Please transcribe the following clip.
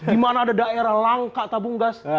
di mana ada daerah langka tabung gas